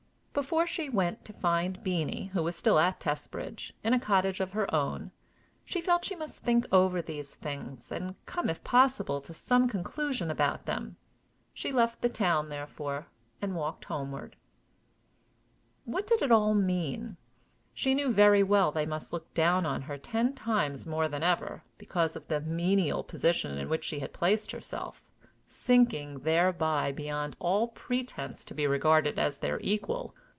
Before she went to find Beenie, who was still at Testbridge, in a cottage of her own, she felt she must think over these things, and come, if possible, to some conclusion about them. She left the town, therefore, and walked homeward. What did it all mean? She knew very well they must look down on her ten times more than ever, because of the menial position in which she had placed herself, sinking thereby beyond all pretense to be regarded as their equal.